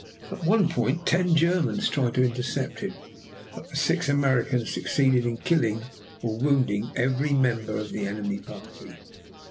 At one point ten Germans tried to intercept him, but the six Americans succeeded in killing or wounding every member of the enemy party.